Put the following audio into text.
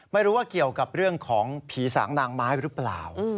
ไม่รู้ว่าเกี่ยวกับเรื่องของผีสางนางไม้หรือเปล่า